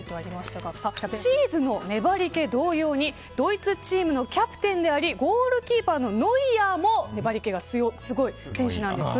チーズの粘り気同様にドイツチームのキャプテンでありゴールキーパーであるノイアーも粘り気がすごい選手なんです。